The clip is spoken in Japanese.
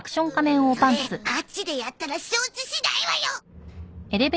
それあっちでやったら承知しないわよ！